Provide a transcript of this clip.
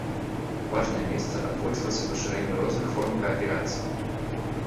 Важнае месца адводзілася пашырэнню розных форм кааперацыі.